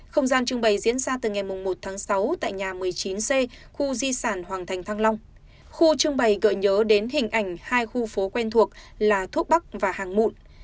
trong ngày sáu tháng sáu tại nhà một mươi chín c khu di sản hoàng thành thăng long khu trưng bày gợi nhớ đến hình ảnh hai khu phố quen thuộc là thuốc bắc và hàng mụn